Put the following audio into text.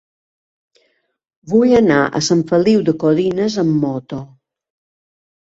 Vull anar a Sant Feliu de Codines amb moto.